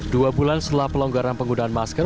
dua bulan setelah pelonggaran penggunaan masker